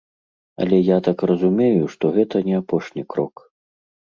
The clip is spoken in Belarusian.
Але я так разумею, што гэта не апошні крок.